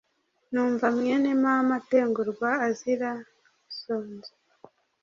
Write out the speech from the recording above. numva mwene mama atengurwa azira isonza